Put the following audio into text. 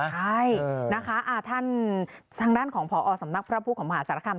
ใช่นะคะท่านทางด้านของพอสำนักพระพุทธของมหาสารคาม